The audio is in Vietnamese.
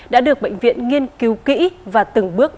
đã được bệnh viện nghiên cứu kỹ và từng bước